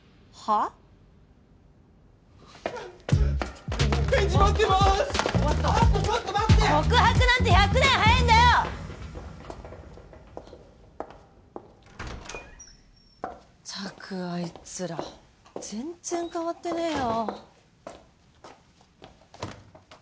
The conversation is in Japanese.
ったくあいつら全然変わってねえよ